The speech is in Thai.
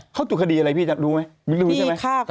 เขาจุดคดีอะไรพี่รู้ไหม